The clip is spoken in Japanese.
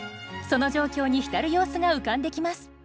その状況に浸る様子が浮かんできます。